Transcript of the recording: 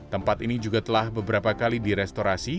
tempat ini juga telah beberapa kali direstorasi